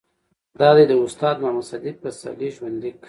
دا دي د استاد محمد صديق پسرلي ژوند ليک